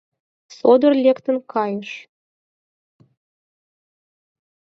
Содор лектын кайыш.